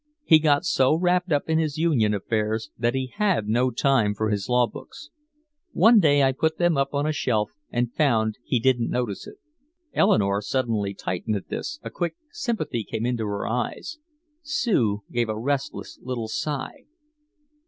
He got so wrapped up in his union affairs that he had no time for his law books. One day I put them up on a shelf and found he didn't notice it." Eleanore suddenly tightened at this, a quick sympathy came into her eyes. Sue gave a restless little sigh.